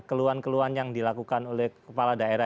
keluan keluan yang dilakukan oleh kepala daerah